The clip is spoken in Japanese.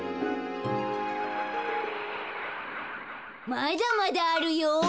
まだまだあるよ。